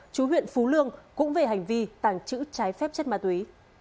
chú huyện phú lương cũng về hành vi tàng trữ trái phép chất ma túy